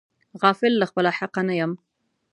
غافل له خپله حقه نه یم.